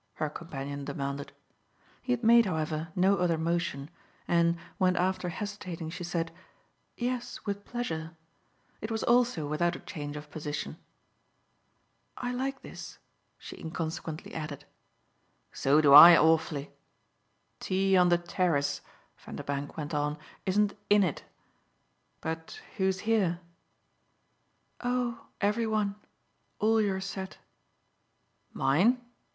her companion demanded. He had made, however, no other motion, and when after hesitating she said "Yes, with pleasure" it was also without a change of position. "I like this," she inconsequently added. "So do I awfully. Tea on the terrace," Vanderbank went on, "isn't 'in' it. But who's here?" "Oh every one. All your set." "Mine?